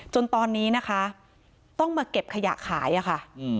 จนตอนนี้นะคะต้องมาเก็บขยะขายอะค่ะ